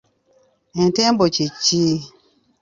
Entembo kye ki?